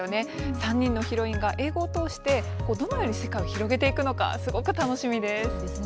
３人のヒロインが英語を通してどのように世界を広げていくのかとても楽しみです。